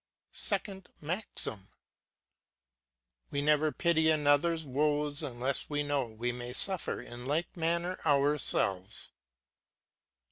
SECOND MAXIM. We never pity another's woes unless we know we may suffer in like manner ourselves.